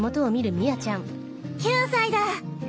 ９歳だ！